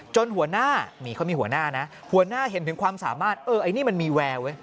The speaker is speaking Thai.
จนหัวหน้าเห็นถึงความสามารถเออไอ้นี่มันมีแวว